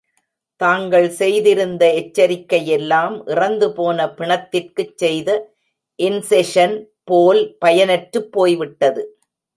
தாங்கள் செய்திருந்த எச்சரிக்கை யெல்லாம் இறந்துபோன பிணத்திற்குச் செய்த இன்செக்ஷன் போல் பயனற்றுப் போய்விட்டது.